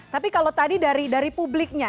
tapi kalau tadi dari publiknya